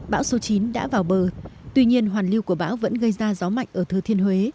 bão số chín đã vào bờ tuy nhiên hoàn lưu của bão vẫn gây ra gió mạnh ở thừa thiên huế